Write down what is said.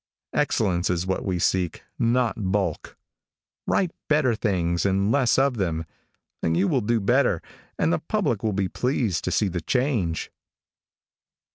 Excellence is what we seek, not bulk. Write better things and less of them, and you will do better, and the public will be pleased to see the change.